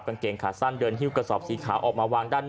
กางเกงขาสั้นเดินฮิ้วกระสอบสีขาวออกมาวางด้าน